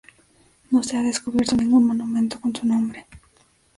No se ha descubierto ningún monumento con su nombre.